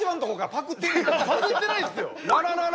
パクってないですよ。